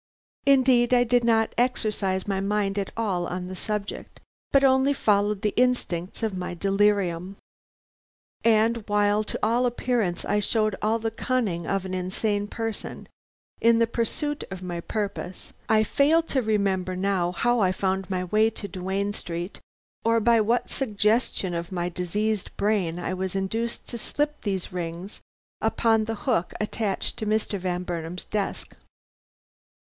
Indeed, I did not exercise my mind at all on the subject, but only followed the instincts of my delirium; and while to all appearance I showed all the cunning of an insane person, in the pursuit of my purpose, I fail to remember now how I found my way to Duane Street, or by what suggestion of my diseased brain I was induced to slip these rings upon the hook attached to Mr. Van Burnam's desk.